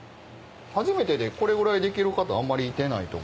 初めてでこれぐらいできる方あんまりいてないと思います。